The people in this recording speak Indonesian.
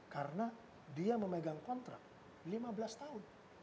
karena dia memegang kontrak lima belas tahun